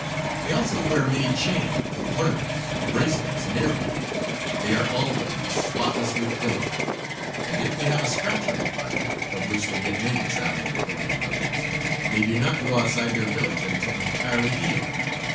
They also wear many chains, ornaments, bracelets, and earrings. They are always spotlessly clean, and if they have a scratch on their body of which they get many traveling the thorny roads they do not go outside their village until entirely healed.